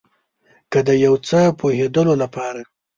که د یو څه پوهیدلو لپاره